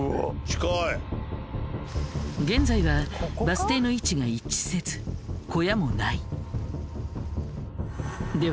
現在はバス停の位置が一致せず小屋もない。